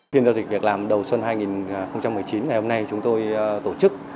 phiên giao dịch việc làm đầu xuân hai nghìn một mươi chín ngày hôm nay chúng tôi tổ chức